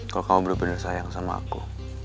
kalau kamu benar benar sayang sama aku